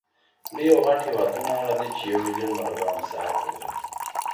لوی او غټ هېوادونه هغه دي، چي یو مېلیون مربع مساحت ولري.